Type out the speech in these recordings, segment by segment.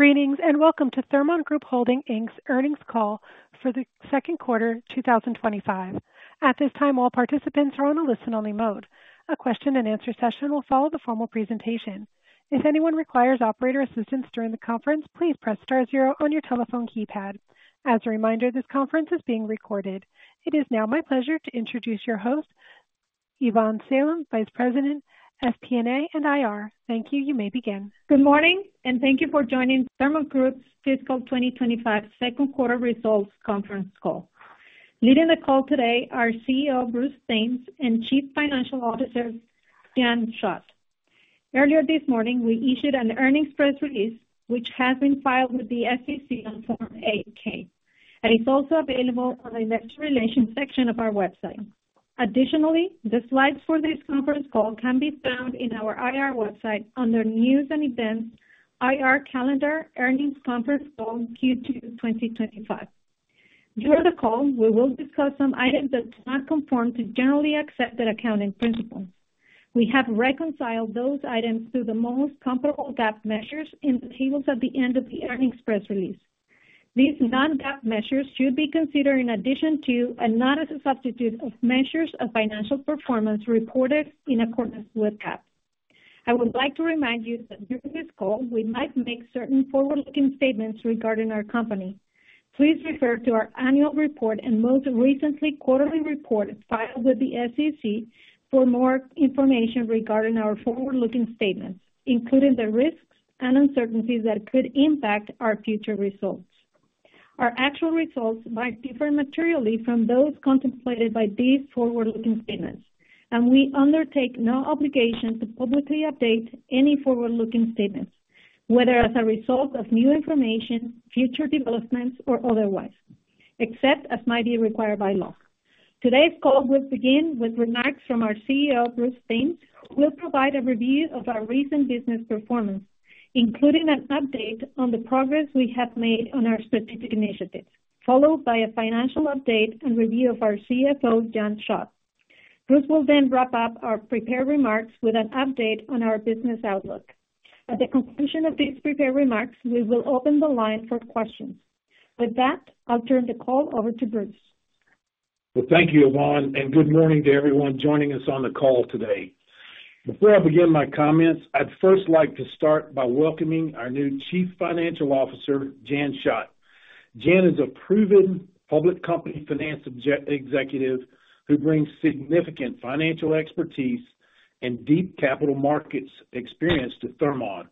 Greetings and welcome to Thermon Group Holdings, Inc.'s earnings call for the second quarter 2025. At this time, all participants are on a listen-only mode. A question-and-answer session will follow the formal presentation. If anyone requires operator assistance during the conference, please press star zero on your telephone keypad. As a reminder, this conference is being recorded. It is now my pleasure to introduce your host, Ivonne Salem, Vice President, FP&A and IR. Thank you. You may begin. Good morning, and thank you for joining Thermon Group's fiscal 2025 second quarter results conference call. Leading the call today are CEO Bruce Thames and Chief Financial Officer Jan Schott. Earlier this morning, we issued an earnings press release, which has been filed with the SEC on Form 8-K, and it's also available on the Investor Relations section of our website. Additionally, the slides for this conference call can be found in our IR website under News and Events, IR Calendar, Earnings Conference Call Q2 2025. During the call, we will discuss some items that do not conform to generally accepted accounting principles. We have reconciled those items to the most comparable GAAP measures in the tables at the end of the earnings press release. These non-GAAP measures should be considered in addition to and not as a substitute of measures of financial performance reported in accordance with GAAP. I would like to remind you that during this call, we might make certain forward-looking statements regarding our company. Please refer to our annual report and most recent quarterly report filed with the SEC for more information regarding our forward-looking statements, including the risks and uncertainties that could impact our future results. Our actual results might differ materially from those contemplated by these forward-looking statements, and we undertake no obligation to publicly update any forward-looking statements, whether as a result of new information, future developments, or otherwise, except as might be required by law. Today's call will begin with remarks from our CEO, Bruce Thames, who will provide a review of our recent business performance, including an update on the progress we have made on our strategic initiatives, followed by a financial update and review from our CFO, Jan Schott. Bruce will then wrap up our prepared remarks with an update on our business outlook. At the conclusion of these prepared remarks, we will open the line for questions. With that, I'll turn the call over to Bruce. Well, thank you, Ivonne, and good morning to everyone joining us on the call today. Before I begin my comments, I'd first like to start by welcoming our new Chief Financial Officer, Jan Schott. Jan is a proven public company finance executive who brings significant financial expertise and deep capital markets experience to Thermon.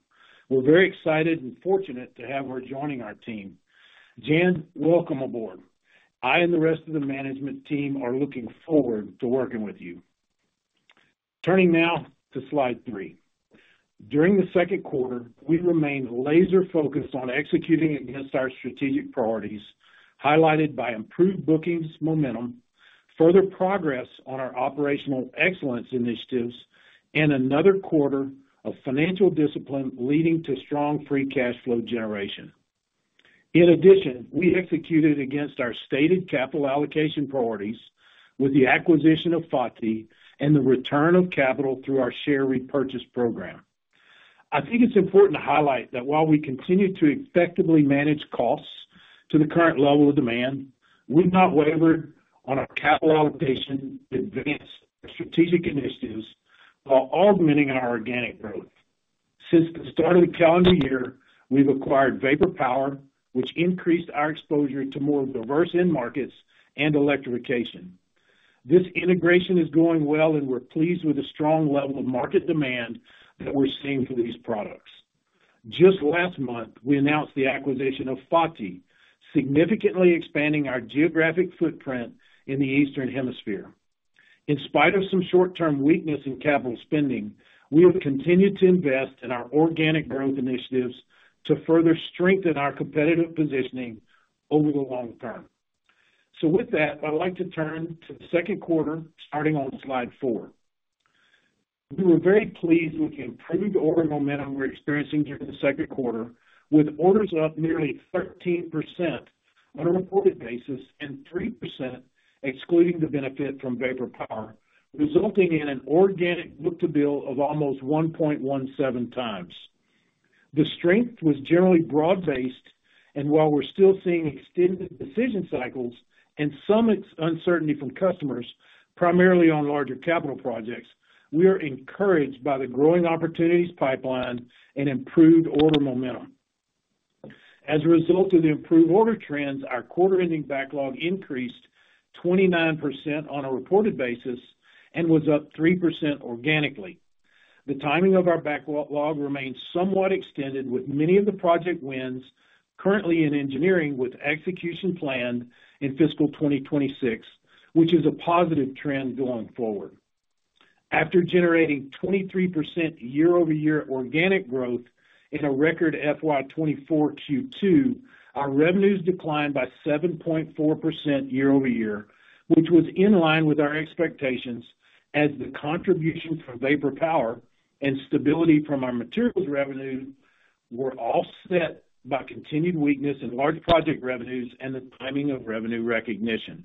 We're very excited and fortunate to have her joining our team. Jan, welcome aboard. I and the rest of the management team are looking forward to working with you. Turning now to slide three. During the second quarter, we remained laser-focused on executing against our strategic priorities, highlighted by improved bookings momentum, further progress on our operational excellence initiatives, and another quarter of financial discipline leading to strong free cash flow generation. In addition, we executed against our stated capital allocation priorities with the acquisition of F.A.T.I. and the return of capital through our share repurchase program. I think it's important to highlight that while we continue to effectively manage costs to the current level of demand, we've not wavered on our capital allocation advance strategic initiatives while augmenting our organic growth. Since the start of the calendar year, we've acquired Vapor Power, which increased our exposure to more diverse end markets and electrification. This integration is going well, and we're pleased with the strong level of market demand that we're seeing for these products. Just last month, we announced the acquisition of F.A.T.I., significantly expanding our geographic footprint in the Eastern Hemisphere. In spite of some short-term weakness in capital spending, we have continued to invest in our organic growth initiatives to further strengthen our competitive positioning over the long term. With that, I'd like to turn to the second quarter, starting on slide four. We were very pleased with the improved order momentum we're experiencing during the second quarter, with orders up nearly 13% on a reported basis and 3% excluding the benefit from Vapor Power, resulting in an organic book-to-bill of almost 1.17×. The strength was generally broad-based, and while we're still seeing extended decision cycles and some uncertainty from customers, primarily on larger capital projects, we are encouraged by the growing opportunities pipeline and improved order momentum. As a result of the improved order trends, our quarter-ending backlog increased 29% on a reported basis and was up 3% organically. The timing of our backlog remains somewhat extended, with many of the project wins currently in engineering with execution planned in fiscal 2026, which is a positive trend going forward. After generating 23% year-over-year organic growth in a record FY24 Q2, our revenues declined by 7.4% year-over-year, which was in line with our expectations as the contribution from Vapor Power and stability from our materials revenue were offset by continued weakness in large project revenues and the timing of revenue recognition.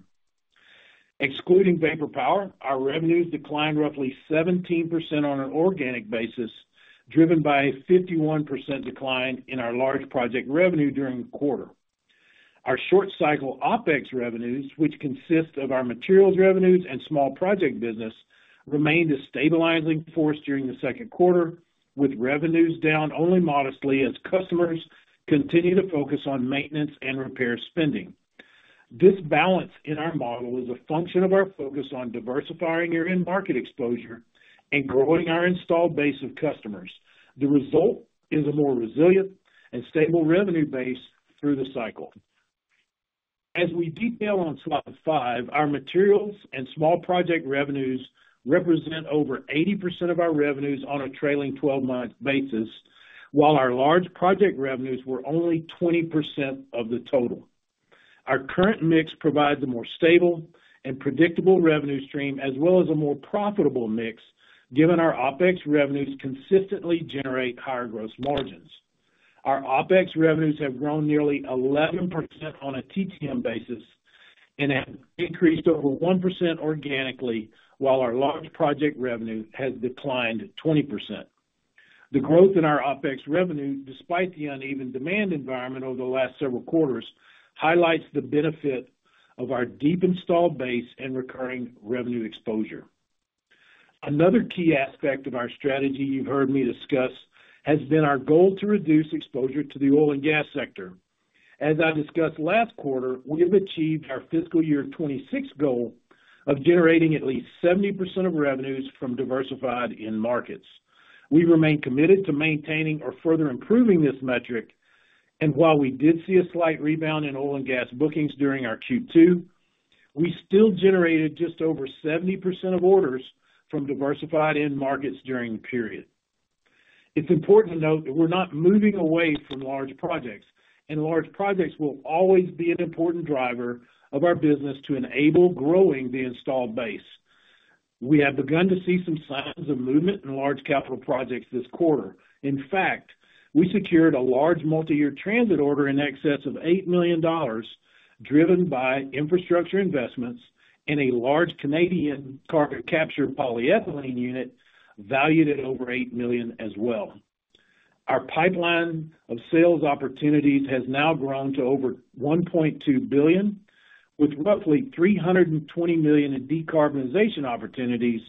Excluding Vapor Power, our revenues declined roughly 17% on an organic basis, driven by a 51% decline in our large project revenue during the quarter. Our short-cycle OPEX revenues, which consist of our materials revenues and small project business, remained a stabilizing force during the second quarter, with revenues down only modestly as customers continue to focus on maintenance and repair spending. This balance in our model is a function of our focus on diversifying your end market exposure and growing our installed base of customers. The result is a more resilient and stable revenue base through the cycle. As we detail on slide five, our materials and small project revenues represent over 80% of our revenues on a trailing 12-month basis, while our large project revenues were only 20% of the total. Our current mix provides a more stable and predictable revenue stream, as well as a more profitable mix, given our OPEX revenues consistently generate higher gross margins. Our OPEX revenues have grown nearly 11% on a TTM basis and have increased over 1% organically, while our large project revenue has declined 20%. The growth in our OPEX revenue, despite the uneven demand environment over the last several quarters, highlights the benefit of our deep installed base and recurring revenue exposure. Another key aspect of our strategy you've heard me discuss has been our goal to reduce exposure to the oil and gas sector. As I discussed last quarter, we have achieved our fiscal year 2026 goal of generating at least 70% of revenues from diversified end markets. We remain committed to maintaining or further improving this metric, and while we did see a slight rebound in oil and gas bookings during our Q2, we still generated just over 70% of orders from diversified end markets during the period. `It's important to note that we're not moving away from large projects, and large projects will always be an important driver of our business to enable growing the installed base. We have begun to see some signs of movement in large capital projects this quarter. In fact, we secured a large multi-year transit order in excess of $8 million, driven by infrastructure investments and a large Canadian carbon capture polyethylene unit valued at over $8 million as well. Our pipeline of sales opportunities has now grown to over $1.2 billion, with roughly $320 million in decarbonization opportunities,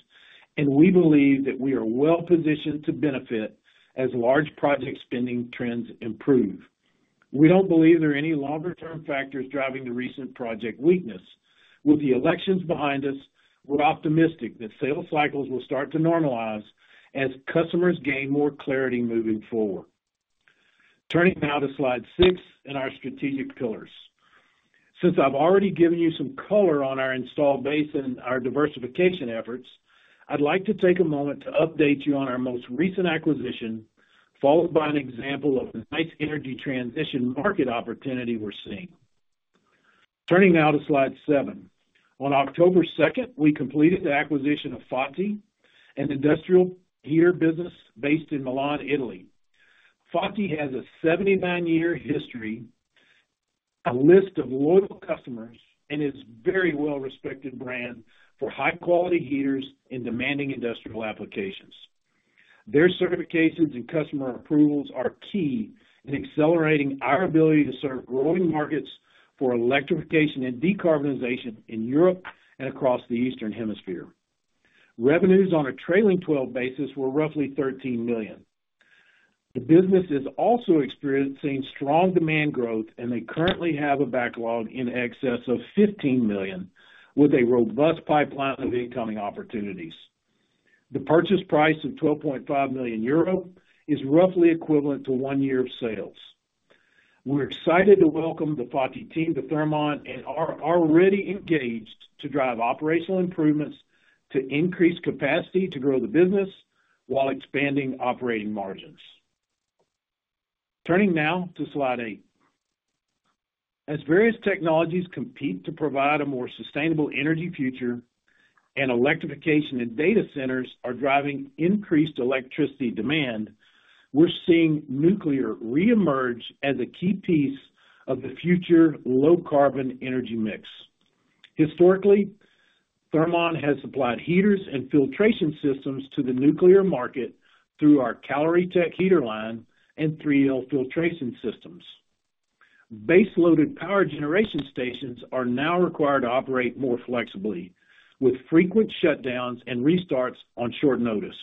and we believe that we are well-positioned to benefit as large project spending trends improve. We don't believe there are any longer-term factors driving the recent project weakness. With the elections behind us, we're optimistic that sales cycles will start to normalize as customers gain more clarity moving forward. Turning now to slide six and our strategic pillars. Since I've already given you some color on our installed base and our diversification efforts, I'd like to take a moment to update you on our most recent acquisition, followed by an example of a nice energy transition market opportunity we're seeing. Turning now to slide seven. On October 2nd, we completed the acquisition of F.A.T.I., an industrial heater business based in Milan, Italy. F.A.T.I. has a 79-year history, a list of loyal customers, and is a very well-respected brand for high-quality heaters in demanding industrial applications. Their certifications and customer approvals are key in accelerating our ability to serve growing markets for electrification and decarbonization in Europe and across the Eastern Hemisphere. Revenues on a trailing 12 basis were roughly $13 million. The business is also experiencing strong demand growth, and they currently have a backlog in excess of $15 million, with a robust pipeline of incoming opportunities. The purchase price of 12.5 million euro is roughly equivalent to one year of sales. We're excited to welcome the F.A.T.I. team to Thermon and are already engaged to drive operational improvements to increase capacity to grow the business while expanding operating margins. Turning now to slide eight. As various technologies compete to provide a more sustainable energy future and electrification in data centers are driving increased electricity demand, we're seeing nuclear reemerge as a key piece of the future low-carbon energy mix. Historically, Thermon has supplied heaters and filtration systems to the nuclear market through our Caloritech heater line and 3L filtration systems. Base-loaded power generation stations are now required to operate more flexibly, with frequent shutdowns and restarts on short notice.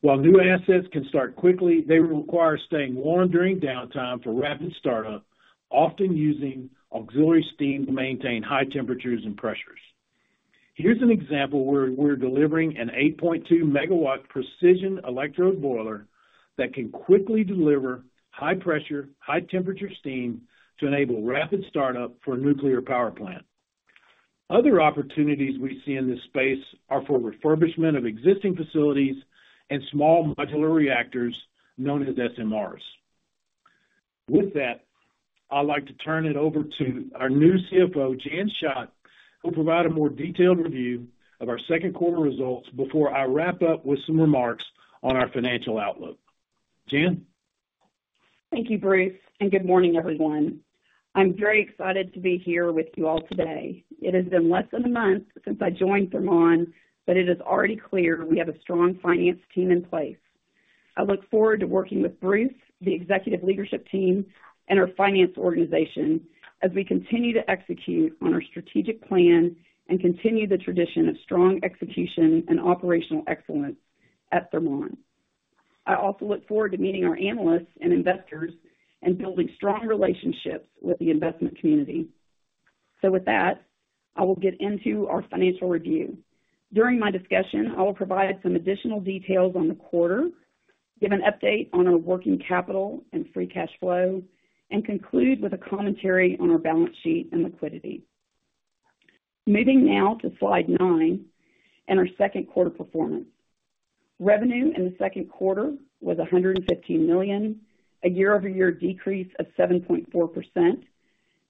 While new assets can start quickly, they require staying warm during downtime for rapid startup, often using auxiliary steam to maintain high temperatures and pressures. Here's an example where we're delivering an 8.2 megawatt Precision electrode boiler that can quickly deliver high-pressure, high-temperature steam to enable rapid startup for a nuclear power plant. Other opportunities we see in this space are for refurbishment of existing facilities and small modular reactors known as SMRs. With that, I'd like to turn it over to our new CFO, Jan Schott, who will provide a more detailed review of our second quarter results before I wrap up with some remarks on our financial outlook. Jan? Thank you, Bruce, and good morning, everyone. I'm very excited to be here with you all today. It has been less than a month since I joined Thermon, but it is already clear we have a strong finance team in place. I look forward to working with Bruce, the executive leadership team, and our finance organization as we continue to execute on our strategic plan and continue the tradition of strong execution and operational excellence at Thermon. I also look forward to meeting our analysts and investors and building strong relationships with the investment community. So with that, I will get into our financial review. During my discussion, I will provide some additional details on the quarter, give an update on our working capital and free cash flow, and conclude with a commentary on our balance sheet and liquidity. Moving now to slide nine and our second quarter performance. Revenue in the second quarter was $115 million, a year-over-year decrease of 7.4%,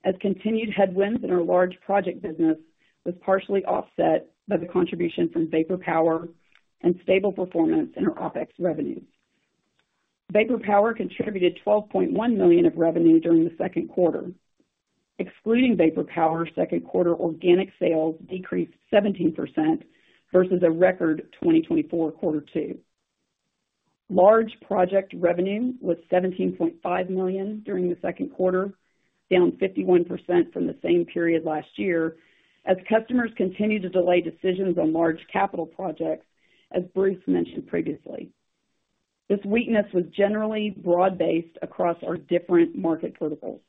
as continued headwinds in our large project business were partially offset by the contribution from Vapor Power and stable performance in our OPEX revenues. Vapor Power contributed $12.1 million of revenue during the second quarter. Excluding Vapor Power, second quarter organic sales decreased 17% versus a record 2024 quarter two. Large project revenue was $17.5 million during the second quarter, down 51% from the same period last year, as customers continue to delay decisions on large capital projects, as Bruce mentioned previously. This weakness was generally broad-based across our different market verticals.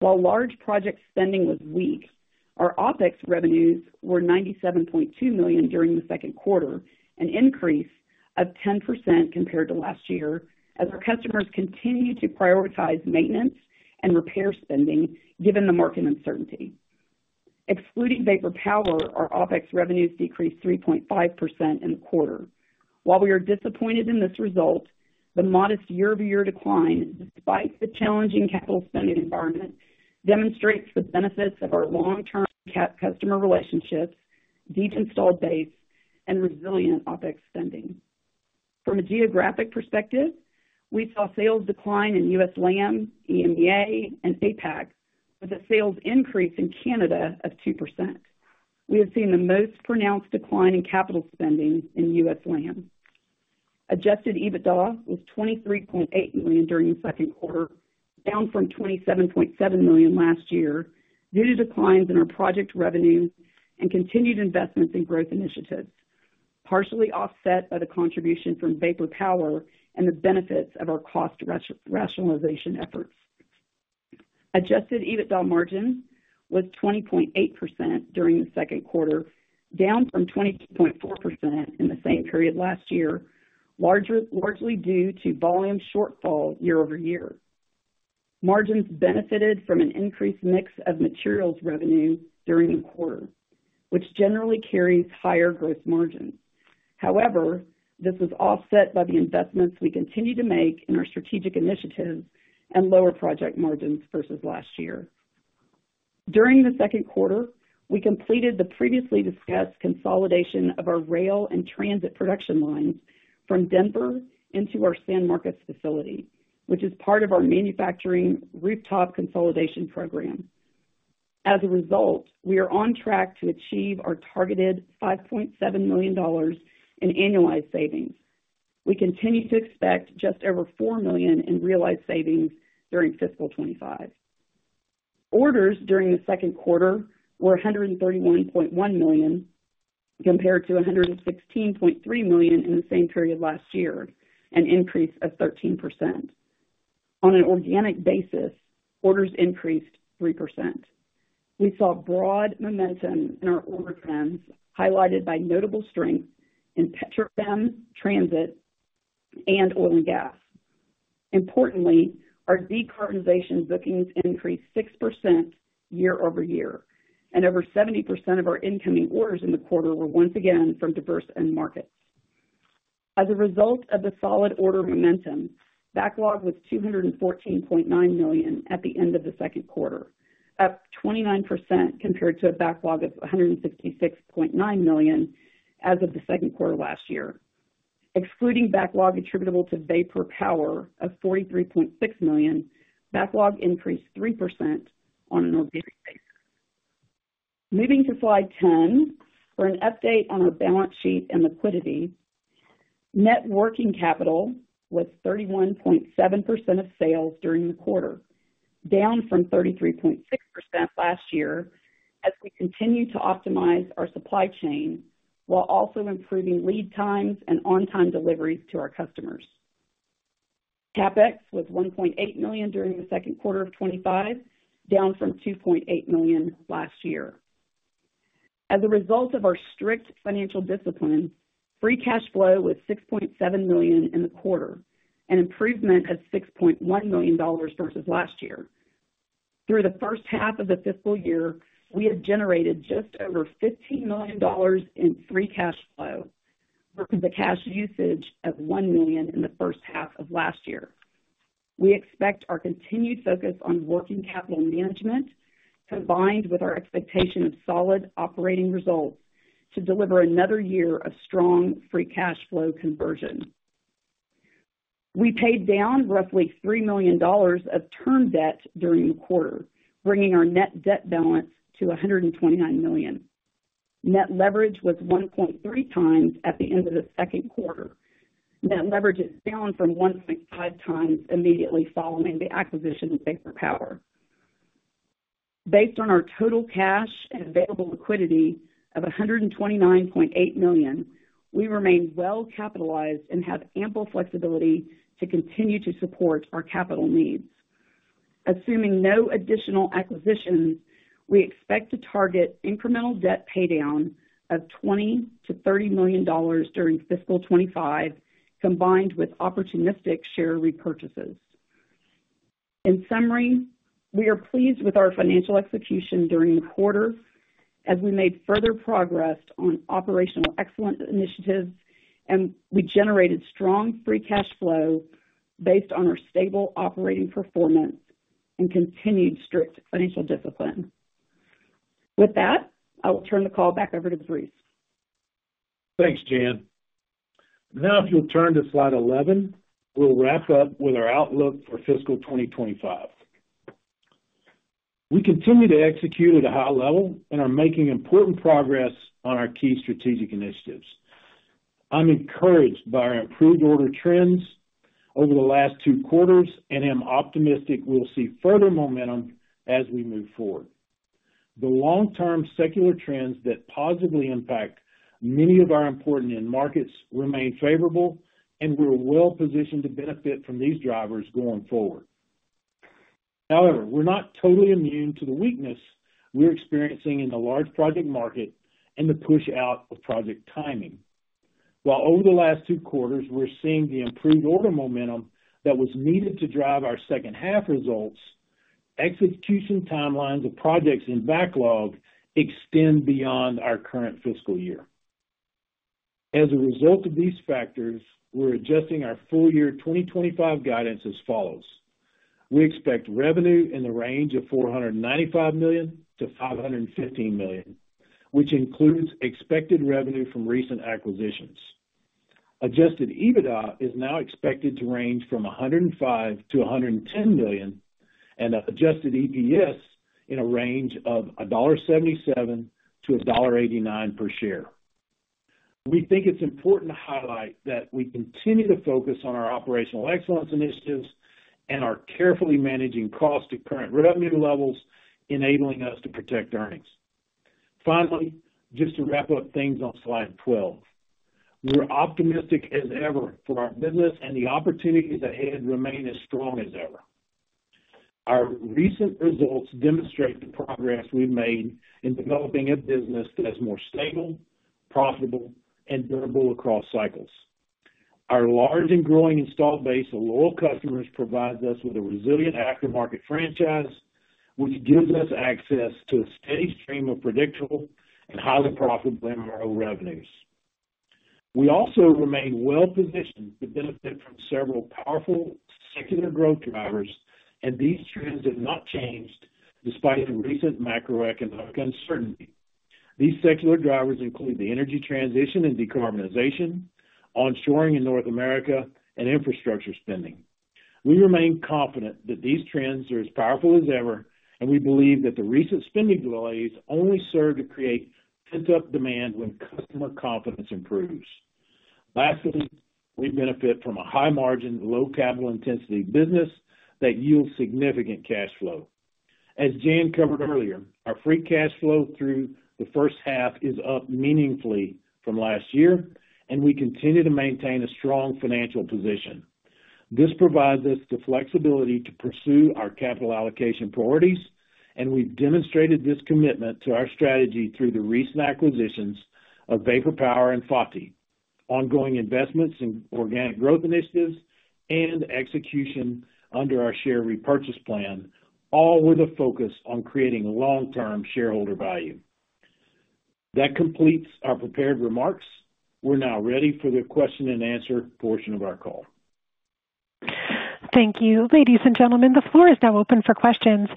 While large project spending was weak, our OPEX revenues were $97.2 million during the second quarter, an increase of 10% compared to last year, as our customers continue to prioritize maintenance and repair spending given the market uncertainty. Excluding Vapor Power, our OPEX revenues decreased 3.5% in the quarter. While we are disappointed in this result, the modest year-over-year decline, despite the challenging capital spending environment, demonstrates the benefits of our long-term customer relationships, deep installed base, and resilient OPEX spending. From a geographic perspective, we saw sales decline in U.S. Land, EMEA, and APAC, with a sales increase in Canada of 2%. We have seen the most pronounced decline in capital spending in U.S. Land. Adjusted EBITDA was $23.8 million during the second quarter, down from $27.7 million last year due to declines in our project revenue and continued investments in growth initiatives, partially offset by the contribution from Vapor Power and the benefits of our cost rationalization efforts. Adjusted EBITDA margin was 20.8% during the second quarter, down from 22.4% in the same period last year, largely due to volume shortfall year-over-year. Margins benefited from an increased mix of materials revenue during the quarter, which generally carries higher gross margins. However, this was offset by the investments we continue to make in our strategic initiatives and lower project margins versus last year. During the second quarter, we completed the previously discussed consolidation of our rail and transit production lines from Denver into our San Marcos facility, which is part of our manufacturing rooftop consolidation program. As a result, we are on track to achieve our targeted $5.7 million in annualized savings. We continue to expect just over $4 million in realized savings during fiscal 2025. Orders during the second quarter were $131.1 million compared to $116.3 million in the same period last year, an increase of 13%. On an organic basis, orders increased 3%. We saw broad momentum in our order trends highlighted by notable strengths in petrochem, transit and oil and gas. Importantly, our decarbonization bookings increased 6% year-over-year, and over 70% of our incoming orders in the quarter were once again from diverse end markets. As a result of the solid order momentum, backlog was $214.9 million at the end of the second quarter, up 29% compared to a backlog of $166.9 million as of the second quarter last year. Excluding backlog attributable to Vapor Power of $43.6 million, backlog increased 3% on an organic basis. Moving to slide 10 for an update on our balance sheet and liquidity. Net working capital was 31.7% of sales during the quarter, down from 33.6% last year as we continue to optimize our supply chain while also improving lead times and on-time deliveries to our customers. CapEx was $1.8 million during the second quarter of 2025, down from $2.8 million last year. As a result of our strict financial discipline, free cash flow was $6.7 million in the quarter, an improvement of $6.1 million versus last year. Through the first half of the fiscal year, we have generated just over $15 million in free cash flow versus the cash usage of $1 million in the first half of last year. We expect our continued focus on working capital management, combined with our expectation of solid operating results, to deliver another year of strong free cash flow conversion. We paid down roughly $3 million of term debt during the quarter, bringing our net debt balance to $129 million. Net leverage was 1.3× at the end of the second quarter. Net leverage is down from 1.5× immediately following the acquisition of Vapor Power. Based on our total cash and available liquidity of $129.8 million, we remain well-capitalized and have ample flexibility to continue to support our capital needs. Assuming no additional acquisitions, we expect to target incremental debt paydown of $20-$30 million during fiscal 2025, combined with opportunistic share repurchases. In summary, we are pleased with our financial execution during the quarter as we made further progress on operational excellence initiatives, and we generated strong free cash flow based on our stable operating performance and continued strict financial discipline. With that, I will turn the call back over to Bruce. Thanks, Jan. Now, if you'll turn to slide 11, we'll wrap up with our outlook for fiscal 2025. We continue to execute at a high level and are making important progress on our key strategic initiatives. I'm encouraged by our improved order trends over the last two quarters and am optimistic we'll see further momentum as we move forward. The long-term secular trends that positively impact many of our important end markets remain favorable, and we're well-positioned to benefit from these drivers going forward. However, we're not totally immune to the weakness we're experiencing in the large project market and the push-out of project timing. While over the last two quarters, we're seeing the improved order momentum that was needed to drive our second-half results, execution timelines of projects in backlog extend beyond our current fiscal year. As a result of these factors, we're adjusting our full year 2025 guidance as follows. We expect revenue in the range of $495-$515 million, which includes expected revenue from recent acquisitions. Adjusted EBITDA is now expected to range from $105-$110 million and adjusted EPS in a range of $1.77-$1.89 per share. We think it's important to highlight that we continue to focus on our operational excellence initiatives and are carefully managing costs to current revenue levels, enabling us to protect earnings. Finally, just to wrap up things on slide 12, we're optimistic as ever for our business and the opportunities ahead remain as strong as ever. Our recent results demonstrate the progress we've made in developing a business that's more stable, profitable, and durable across cycles. Our large and growing installed base of loyal customers provides us with a resilient aftermarket franchise, which gives us access to a steady stream of predictable and highly profitable MRO revenues. We also remain well-positioned to benefit from several powerful secular growth drivers, and these trends have not changed despite recent macroeconomic uncertainty. These secular drivers include the energy transition and decarbonization, onshoring in North America, and infrastructure spending. We remain confident that these trends are as powerful as ever, and we believe that the recent spending delays only serve to create pent-up demand when customer confidence improves. Lastly, we benefit from a high-margin, low-capital-intensity business that yields significant cash flow. As Jan covered earlier, our free cash flow through the first half is up meaningfully from last year, and we continue to maintain a strong financial position. This provides us the flexibility to pursue our capital allocation priorities, and we've demonstrated this commitment to our strategy through the recent acquisitions of Vapor Power and F.A.T.I., ongoing investments in organic growth initiatives, and execution under our share repurchase plan, all with a focus on creating long-term shareholder value. That completes our prepared remarks. We're now ready for the question-and-answer portion of our call. Thank you. Ladies and gentlemen, the floor is now open for questions.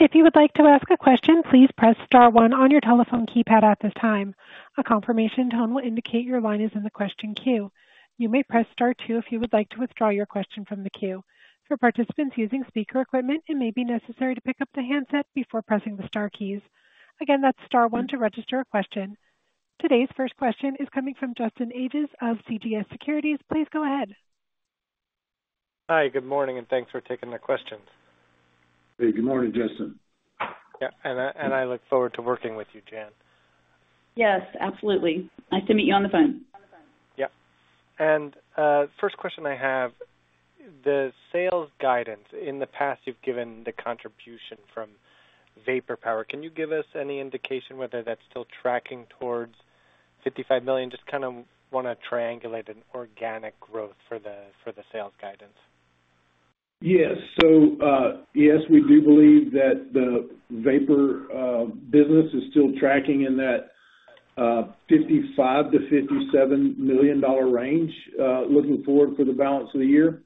If you would like to ask a question, please press star one on your telephone keypad at this time. A confirmation tone will indicate your line is in the question queue. You may press star two if you would like to withdraw your question from the queue. For participants using speaker equipment, it may be necessary to pick up the handset before pressing the star keys. Again, that's star one to register a question. Today's first question is coming from Justin Ages of CJS Securities. Please go ahead. Hi, good morning, and thanks for taking the questions. Hey, good morning, Justin. Yeah, and I look forward to working with you, Jan. Yes, absolutely. Nice to meet you on the phone. Yep. The first question I have, the sales guidance, in the past, you've given the contribution from Vapor Power. Can you give us any indication whether that's still tracking towards $55 million? Just kind of want to triangulate an organic growth for the sales guidance. Yes. So yes, we do believe that the vapor business is still tracking in that $55-$57 million range, looking forward for the balance of the year.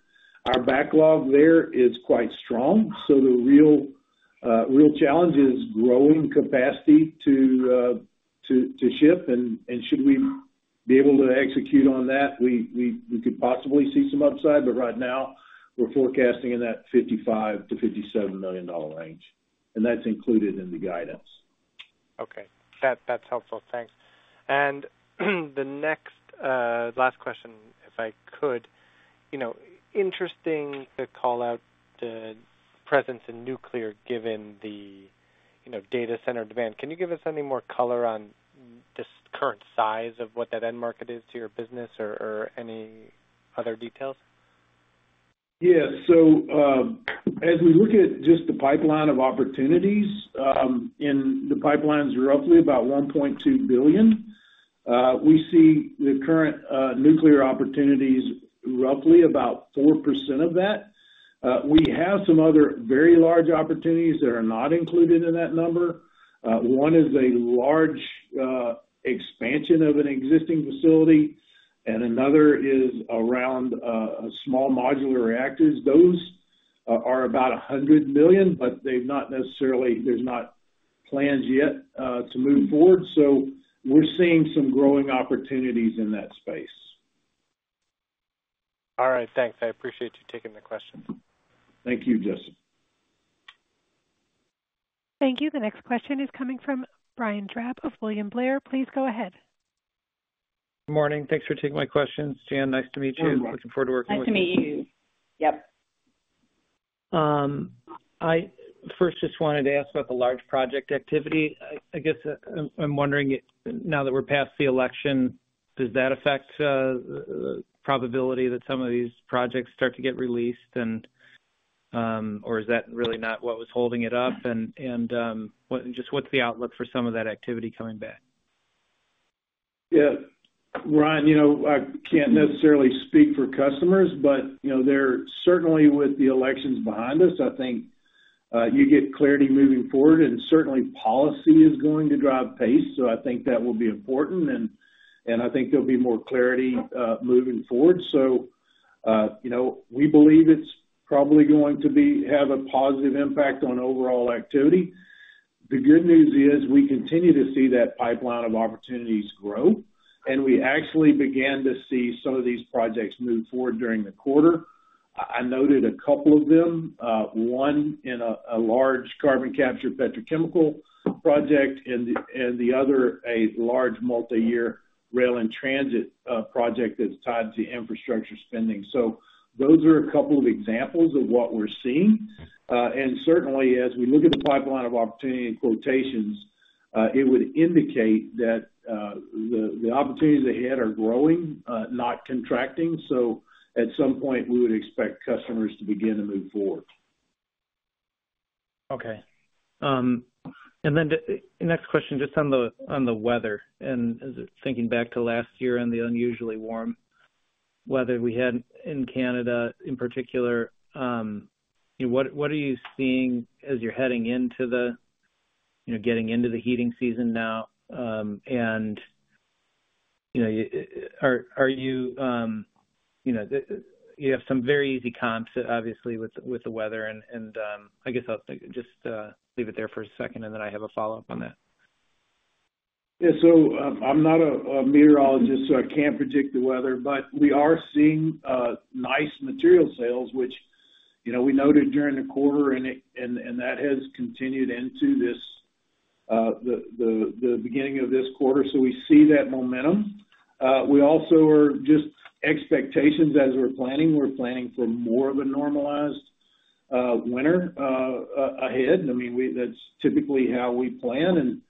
Our backlog there is quite strong, so the real challenge is growing capacity to ship, and should we be able to execute on that, we could possibly see some upside. But right now, we're forecasting in that $55-$57 million range, and that's included in the guidance. Okay. That's helpful. Thanks. The next-to-last question, if I could. Interesting to call out the presence in nuclear given the data center demand. Can you give us any more color on the current size of what that end market is to your business or any other details? Yeah. So as we look at just the pipeline of opportunities, and the pipeline is roughly about $1.2 billion, we see the current nuclear opportunities roughly about 4% of that. We have some other very large opportunities that are not included in that number. One is a large expansion of an existing facility, and another is around small modular reactors. Those are about $100 million, but they've not necessarily, there's not plans yet to move forward. So we're seeing some growing opportunities in that space. All right. Thanks. I appreciate you taking the question. Thank you, Justin. Thank you. The next question is coming from Brian Drab of William Blair. Please go ahead. Good morning. Thanks for taking my questions, Jan. Nice to meet you. Looking forward to working with you. Nice to meet you. Yep. I first just wanted to ask about the large project activity. I guess I'm wondering, now that we're past the election, does that affect the probability that some of these projects start to get released or is that really not what was holding it up? Just what's the outlook for some of that activity coming back? Yeah. Brian, I can't necessarily speak for customers, but certainly with the elections behind us, I think you get clarity moving forward, and certainly policy is going to drive pace. So I think that will be important, and I think there'll be more clarity moving forward. So we believe it's probably going to have a positive impact on overall activity. The good news is we continue to see that pipeline of opportunities grow, and we actually began to see some of these projects move forward during the quarter. I noted a couple of them, one in a large carbon capture petrochemical project and the other a large multi-year rail and transit project that's tied to infrastructure spending. So those are a couple of examples of what we're seeing. Certainly, as we look at the pipeline of opportunity in quotations, it would indicate that the opportunities ahead are growing, not contracting. At some point, we would expect customers to begin to move forward. Okay. Then the next question, just on the weather and thinking back to last year and the unusually warm weather we had in Canada in particular, what are you seeing as you're heading into the getting into the heating season now? Are you you have some very easy comps, obviously, with the weather and I guess I'll just leave it there for a second, and then I have a follow-up on that. Yeah. So I'm not a meteorologist, so I can't predict the weather, but we are seeing nice material sales, which we noted during the quarter, and that has continued into the beginning of this quarter. So we see that momentum. We also are just expectations as we're planning. We're planning for more of a normalized winter ahead. I mean, that's typically how we plan.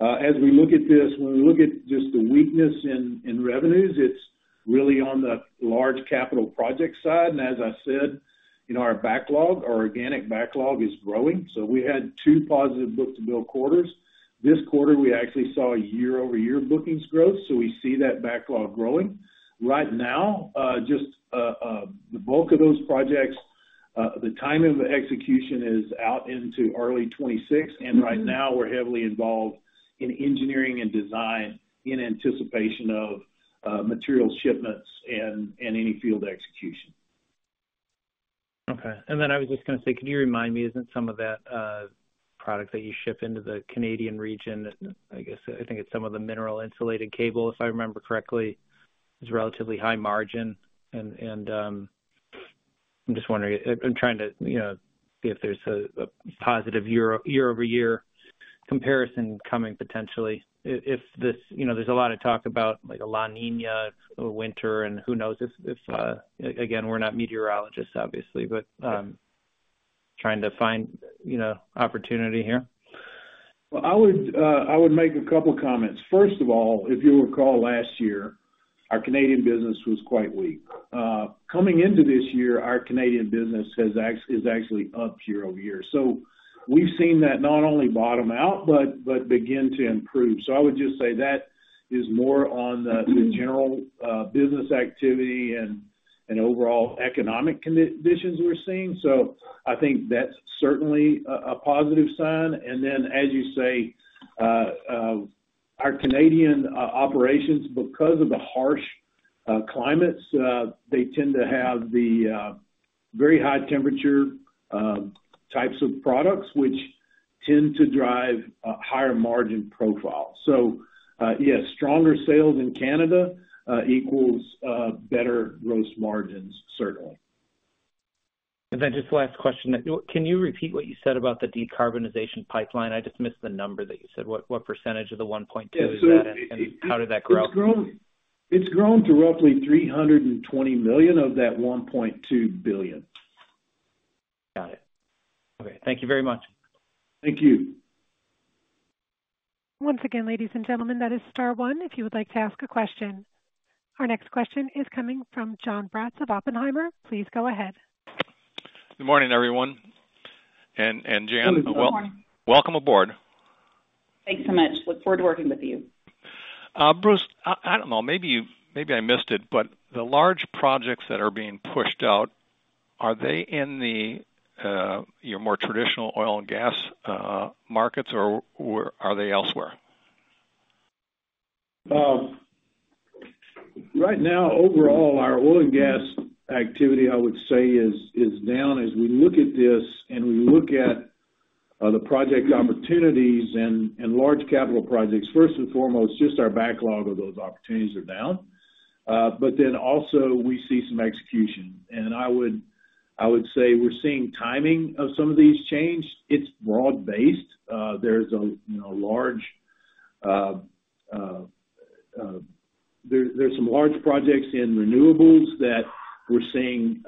As we look at this, when we look at just the weakness in revenues, it's really on the large capital project side. As I said, our organic backlog is growing. So we had two positive book-to-bill quarters. This quarter, we actually saw year-over-year bookings growth. So we see that backlog growing. Right now, just the bulk of those projects, the time of execution is out into early 2026. Right now, we're heavily involved in engineering and design in anticipation of material shipments and any field execution. Okay. Then I was just going to say, could you remind me, isn't some of that product that you ship into the Canadian region, I guess I think it's some of the mineral insulated cable, if I remember correctly, is relatively high margin? I'm just wondering, I'm trying to see if there's a positive year-over-year comparison coming potentially. If there's a lot of talk about a La Niña winter, and who knows if, again, we're not meteorologists, obviously, but trying to find opportunity here. I would make a couple of comments. First of all, if you recall last year, our Canadian business was quite weak. Coming into this year, our Canadian business is actually up year-over-year. So we've seen that not only bottom out but begin to improve. So I would just say that is more on the general business activity and overall economic conditions we're seeing. So I think that's certainly a positive sign. Then, as you say, our Canadian operations, because of the harsh climates, they tend to have the very high temperature types of products, which tend to drive a higher margin profile. So yes, stronger sales in Canada equals better gross margins, certainly. Then just the last question. Can you repeat what you said about the decarbonization pipeline? I just missed the number that you said. What percentage of the 1.2 is that, and how did that grow? It's grown to roughly $320 million of that $1.2 billion. Got it. Okay. Thank you very much. Thank you. Once again, ladies and gentlemen, that is star one if you would like to ask a question. Our next question is coming from Jon Braatz of Oppenheimer. Please go ahead. Good morning, everyone, and Jan, welcome aboard. Thanks so much. Look forward to working with you. Bruce, I don't know, maybe I missed it, but the large projects that are being pushed out, are they in the more traditional oil and gas markets, or are they elsewhere? Right now, overall, our oil and gas activity, I would say, is down. As we look at this and we look at the project opportunities and large capital projects, first and foremost, just our backlog of those opportunities are down. But then also, we see some execution and I would say we're seeing timing of some of these change. It's broad-based. There's some large projects in renewables that we're seeing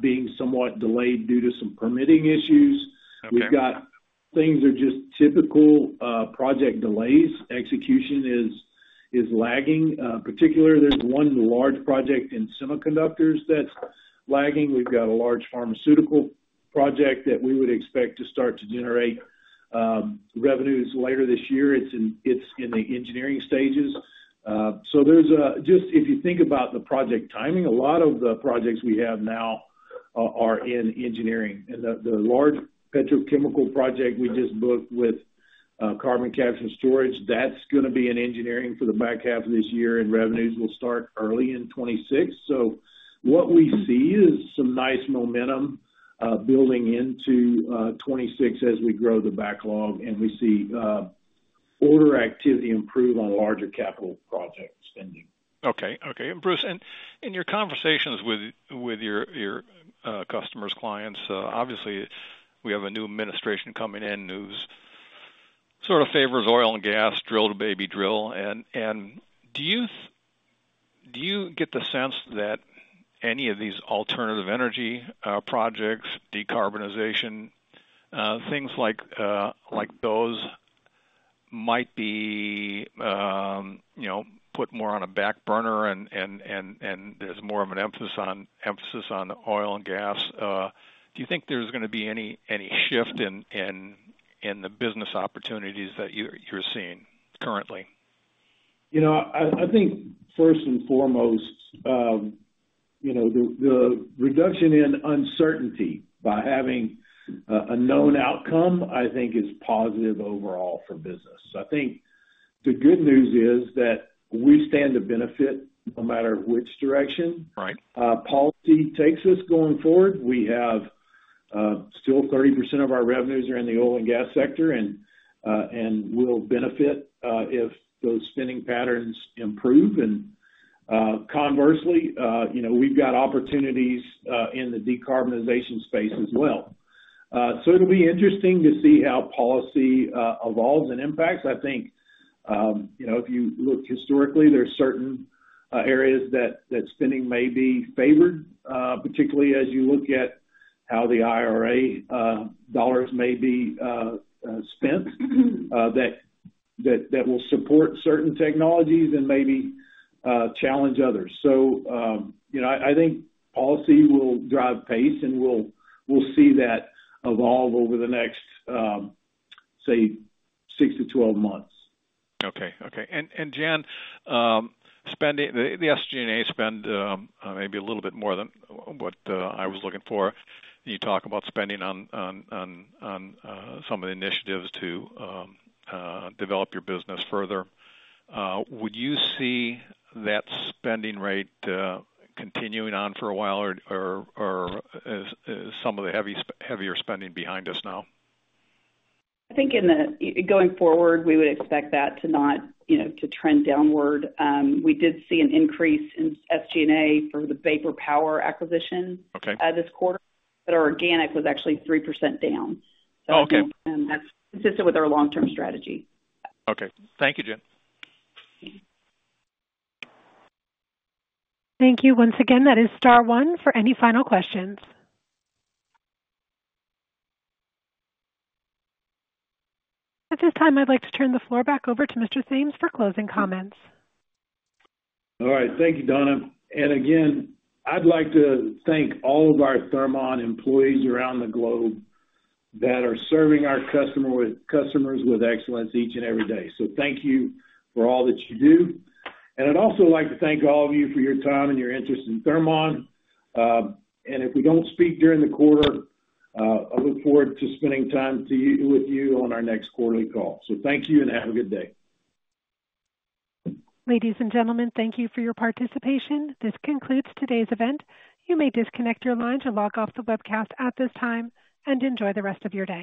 being somewhat delayed due to some permitting issues. We've got things that are just typical project delays. Execution is lagging. In particular, there's one large project in semiconductors that's lagging. We've got a large pharmaceutical project that we would expect to start to generate revenues later this year. It's in the engineering stages. So just if you think about the project timing, a lot of the projects we have now are in engineering. The large petrochemical project we just booked with carbon capture storage. That's going to be in engineering for the back half of this year, and revenues will start early in 2026. What we see is some nice momentum building into 2026 as we grow the backlog, and we see order activity improve on larger capital project spending. Okay. Okay. Bruce, in your conversations with your customers, clients, obviously, we have a new administration coming in who sort of favors oil and gas, drill, baby, drill. Do you get the sense that any of these alternative energy projects, decarbonization, things like those might be put more on a back burner, and there's more of an emphasis on oil and gas? Do you think there's going to be any shift in the business opportunities that you're seeing currently? I think first and foremost, the reduction in uncertainty by having a known outcome, I think, is positive overall for business. I think the good news is that we stand to benefit no matter which direction. Policy takes us going forward. We have still 30% of our revenues are in the oil and gas sector, and we'll benefit if those spending patterns improve. Conversely, we've got opportunities in the decarbonization space as well. So it'll be interesting to see how policy evolves and impacts. I think if you look historically, there are certain areas that spending may be favored, particularly as you look at how the IRA dollars may be spent that will support certain technologies and maybe challenge others. So I think policy will drive pace, and we'll see that evolve over the next, say, 6-12 months. Okay. Okay. Jan, the SG&A spend maybe a little bit more than what I was looking for. You talk about spending on some of the initiatives to develop your business further. Would you see that spending rate continuing on for a while, or is some of the heavier spending behind us now? I think going forward, we would expect that to trend downward. We did see an increase in SG&A for the Vapor Power acquisition this quarter, but our organic was actually 3% down. So that's consistent with our long-term strategy. Okay. Thank you, Jan. Thank you once again. That is star one for any final questions. At this time, I'd like to turn the floor back over to Mr. Thames for closing comments. All right. Thank you, Donna. Again, I'd like to thank all of our Thermon employees around the globe that are serving our customers with excellence each and every day. So thank you for all that you do. I'd also like to thank all of you for your time and your interest in Thermon and if we don't speak during the quarter, I look forward to spending time with you on our next quarterly call. So thank you and have a good day. Ladies and gentlemen, thank you for your participation. This concludes today's event. You may disconnect your lines or log off the webcast at this time and enjoy the rest of your day.